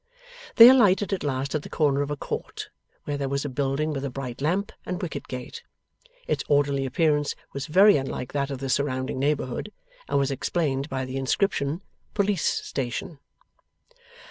They alighted at last at the corner of a court, where there was a building with a bright lamp and wicket gate. Its orderly appearance was very unlike that of the surrounding neighbourhood, and was explained by the inscription POLICE STATION.